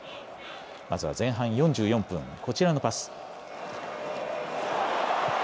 まずは前半４４分、こちらのパス。